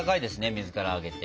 水からあげて。